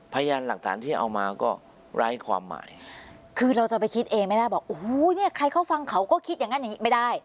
พยานหลักฐานที่เอามาก็ไร้ความหมายคือเราจะไปคิดเองไม่ได้บอกโอ้โหเนี่ยใครเขาฟังเขาก็คิดอย่างงั้นอย่างงี้ไม่ได้